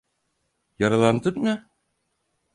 Yaralandın mı?